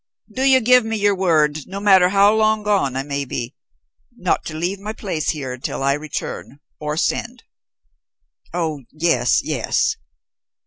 Do you give me your word, no matter how long gone I may be, not to leave my place here until I return, or send?" "Oh, yes, yes."